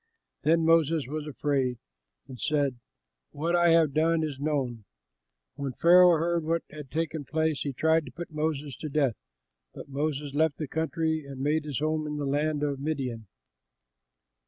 Then Moses was afraid and said, "What I have done is known!" When Pharaoh heard what had taken place, he tried to put Moses to death; but Moses left the country and made his home in the land of Midian.